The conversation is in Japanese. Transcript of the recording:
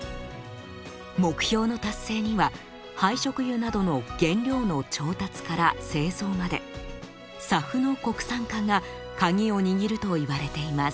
目標の達成には廃食油などの原料の調達から製造までＳＡＦの国産化がカギを握ると言われています。